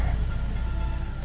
gue tuh capek